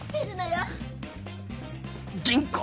吟子